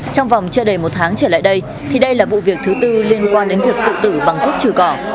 trong vòng chưa đầy một tháng trở lại đây thì đây là vụ việc thứ tư liên quan đến việc tự tử bằng thuốc trừ cỏ